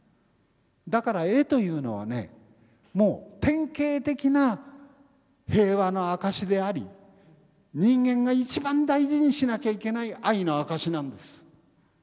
だから絵というのはねもう典型的な平和の証しであり人間が一番大事にしなきゃいけない愛の証しなんです。